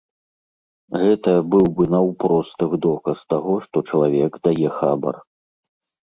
Гэта быў бы наўпроставы доказ таго, што чалавек дае хабар.